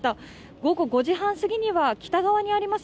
午後５時半すぎには北側にあります